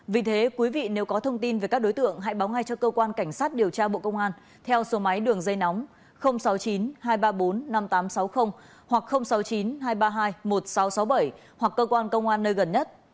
vì thế quý vị nếu có thông tin về các đối tượng hãy báo ngay cho cơ quan cảnh sát điều tra bộ công an theo số máy đường dây nóng sáu mươi chín hai trăm ba mươi bốn năm nghìn tám trăm sáu mươi hoặc sáu mươi chín hai trăm ba mươi hai một nghìn sáu trăm sáu mươi bảy hoặc cơ quan công an nơi gần nhất